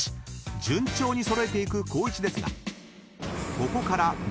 ［順調に揃えていく光一ですがここから］